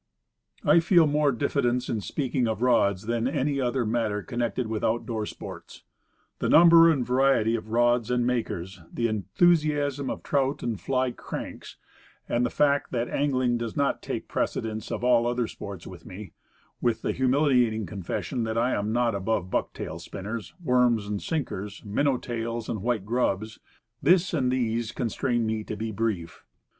I feel more diffidence in speaking of rods than of any other matter connected with out door sports. The number and variety of rods and makers; the enthusiasm of trout and fly "cranks;" the fact that Rods. 1 5 angling does not take precedence of all other sports with me, with the humiliating confession that I am not above worms and sinkers, or minnow tails and white grubs this and these constrain me to be brief.